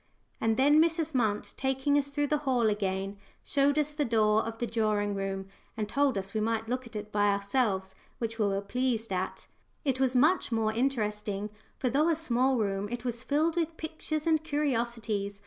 And then Mrs. Munt, taking us through the hall again, showed us the door of the drawing room, and told us we might look at it by ourselves, which we were pleased at. It was much more interesting, for, though a small room, it was filled with pictures and curiosities.